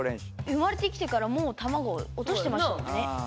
生まれてきてからもう卵落としてましたもんね。